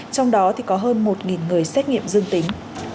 trong đó thì có hơn một người xét nghiệm dương tính